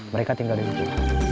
mereka tinggal di situ